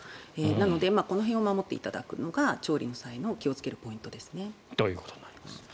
なのでこの辺を守っていただくのが調理の際の気をつけるポイントですね。ということです。